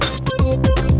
yah keren banget